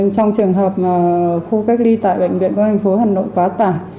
trong trường hợp khu cách ly tại bệnh viện công an thành phố hà nội quá tải